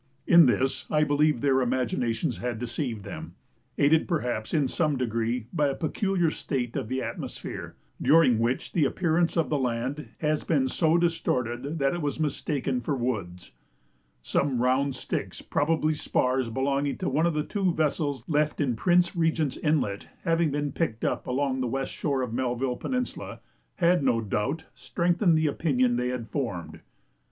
In this I believe their imaginations had deceived them, aided perhaps in some degree by a peculiar state of the atmosphere, during which the appearance of the land has been so distorted that it has been mistaken for woods. Some round sticks, probably spars belonging to one of the two vessels left in Prince Regent's Inlet, having been picked up along the west shore of Melville Peninsula, had no doubt strengthened the opinion they had formed.